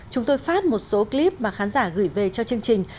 chúng tôi phát một số clip mà khán giả gửi về cho chương trình